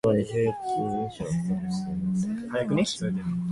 Successor ridings in the East Kootenay region were Fernie, Cranbrook and Columbia.